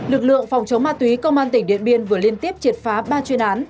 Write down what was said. lực lượng phòng chống ma túy công an tỉnh điện biên vừa liên tiếp triệt phá ba chuyên án